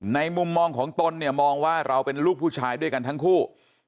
มุมมองของตนเนี่ยมองว่าเราเป็นลูกผู้ชายด้วยกันทั้งคู่